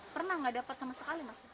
pernah nggak dapat sama sekali mas